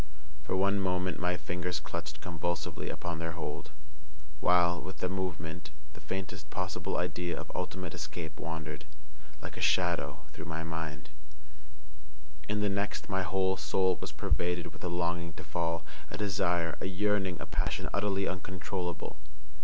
For one moment my fingers clutched convulsively upon their hold, while, with the movement, the faintest possible idea of ultimate escape wandered, like a shadow, through my mind—in the next my whole soul was pervaded with a longing to fall; a desire, a yearning, a passion utterly uncontrollable.